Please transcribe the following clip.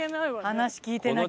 話聞いてなきゃ。